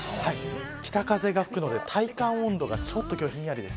北風が吹くので、体感温度がちょっとひんやりです。